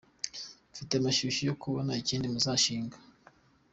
Mfite amashyushyu yo kubona ikindi muzashinga.